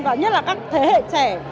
và nhất là các thế hệ trẻ